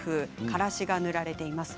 からしが塗られています。